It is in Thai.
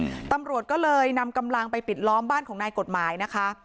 อืมตำรวจก็เลยนำกำลังไปปิดล้อมบ้านของนายกฎหมายนะคะ